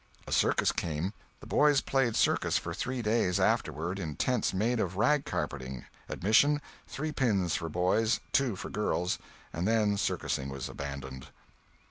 A circus came. The boys played circus for three days afterward in tents made of rag carpeting—admission, three pins for boys, two for girls—and then circusing was abandoned.